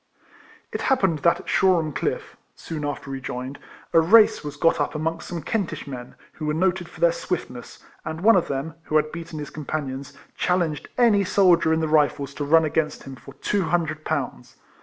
It happened that at Shoreham Cliff, (soon after he joined) a race was got up amongst some Kentish men, who were noted for their swiftness, and one of them, who had beaten EIELEJIAN HARRIS. 249 his companions, challenged any soldier in the Rifles to run against him for two hun dred pounds.